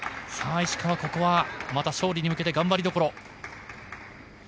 石川、ここは勝利に向けて頑張りどころ。